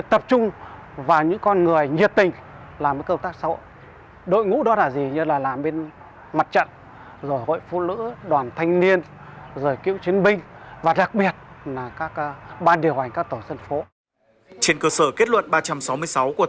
trên cơ sở kết luận ba trăm sáu mươi sáu của thành ủy đà nẵng năm hai nghìn hai mươi ba